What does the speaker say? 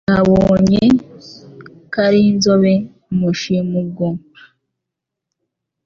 Yahabonye Kari-nzobe amushima ubwo